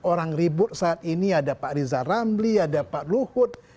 orang ribut saat ini ada pak riza ramli ada pak luhut